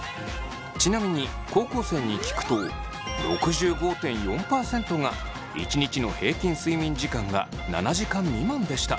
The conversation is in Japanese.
ちなみに高校生に聞くと６５．４％が１日の平均睡眠時間が７時間未満でした。